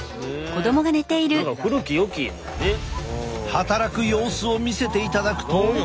働く様子を見せていただくと。